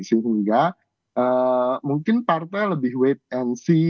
sehingga mungkin partai lebih wait and see